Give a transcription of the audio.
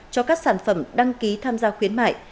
cho các sản phẩm đăng ký tham gia khuyến mại